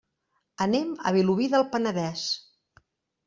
Anem a Vilobí del Penedès.